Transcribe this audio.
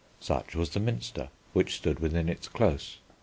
Such was the Minster, which stood within its close.